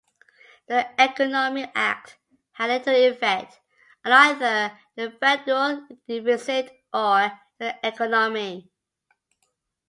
The Economy Act had little effect on either the federal deficit or the economy.